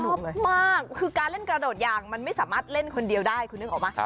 ชอบมากคือการเล่นกระโดดยางมันไม่สามารถเล่นคนเดียวได้คุณนึกออกไหม